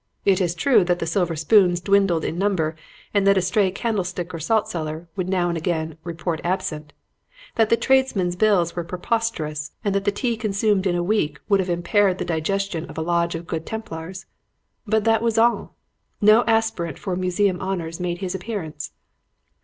It is true that the silver spoons dwindled in number and that a stray candlestick or salt cellar would now and again 'report absent'; that the tradesmen's bills were preposterous and that the tea consumed in a week would have impaired the digestion of a Lodge of Good Templars. But that was all. No aspirant for museum honors made his appearance.